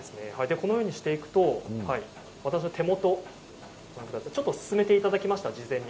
このようにしていくと私の手元進めていただきました、事前に。